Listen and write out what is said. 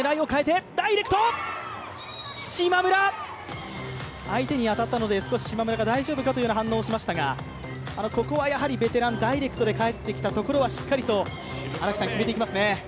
島村、相手に当たったので島村が大丈夫かという反応をしましたがここはやはりベテラン、ダイレクトで返ってきたところは、しっかりと荒木さん、決めていきますね。